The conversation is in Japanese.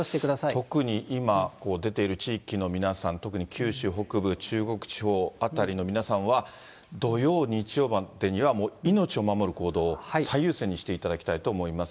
特に今、出ている地域の皆さん、特に九州北部、中国地方辺りの皆さんは、土曜、日曜までには、命を守る行動を最優先にしていただきたいと思います。